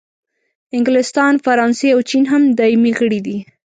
انګلستان، فرانسې او چین هم دایمي غړي دي.